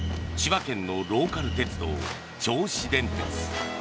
千葉県のローカル鉄道銚子電鉄。